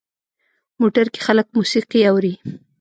موټر کې خلک موسیقي اوري.